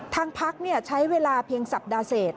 ทางพักใช้เวลาเพียงสัปดาห์เศษ